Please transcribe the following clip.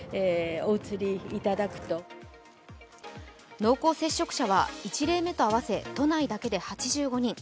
濃厚接触者は１例目と合わせ都内だけで８５人。